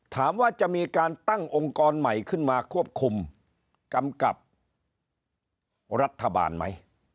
ถามว่าจะมีการตั้งองค์กรใหม่ขึ้นมาควบคุมกำกับรัฐบาลไหม